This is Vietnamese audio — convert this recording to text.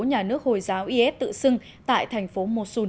nhà nước hồi giáo is tự xưng tại thành phố mosun